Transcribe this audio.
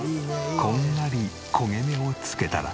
こんがり焦げ目を付けたら。